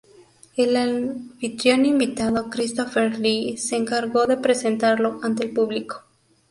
El anfitrión invitado, Christopher Lee, se encargó de presentarlo ante el público.